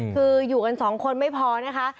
คืออยู่กันสองคนไม่พอนะคะ